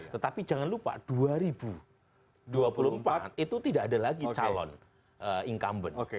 tetapi jangan lupa dua ribu dua puluh empat itu tidak ada lagi calon incumbent